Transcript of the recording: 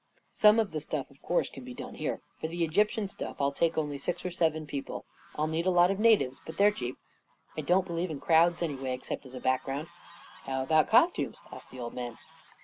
Some of the stuff, of course, can be done here. For the Egyptian stuff, Til take only six 017 seven people. I'll need a lot of natives, but they are cheap. I don't believe in crowds anyway, excep t as a background." " How about costumes? " asked the old man.